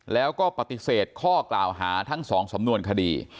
แล้วก็ปฏิเสธข้อกล่าวหาทั้งสองสำนวนคดี